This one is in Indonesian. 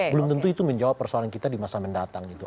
belum tentu itu menjawab persoalan kita di masa mendatang gitu